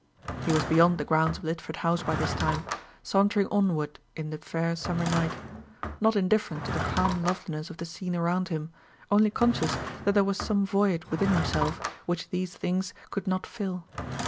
He was beyond the grounds of Lidford House by this time, sauntering onward in the fair summer night; not indifferent to the calm loveliness of the scene around him, only conscious that there was some void within himself which these things could not fill.